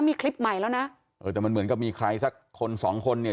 มีคลิปใหม่แล้วนะเออแต่มันเหมือนกับมีใครสักคนสองคนเนี่ย